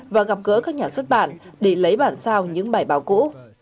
và gặp gỡ các nhà xuất bản để lấy bản sao những bài báo cũ